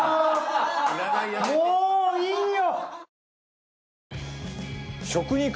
もういいよ！